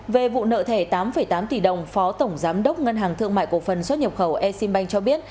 về vụ nợ thẻ tám tám tỷ đồng phó tổng giám đốc ngân hàng thương mại cộng phần xuất nhập khẩu e simbank cho biết